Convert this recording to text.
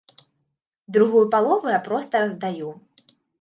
Другую палову я проста раздаю.